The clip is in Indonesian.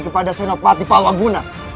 kepada senopati falaguna